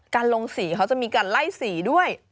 กันลงสีเค้าจะมีกันไร่สีด้วย